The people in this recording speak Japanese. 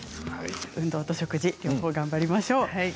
運動と食事、頑張りましょう。